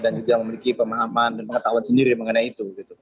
dan juga memiliki pemahaman dan pengetahuan sendiri mengenai itu